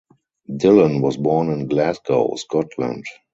Dillon was born in Glasgow, Scotland.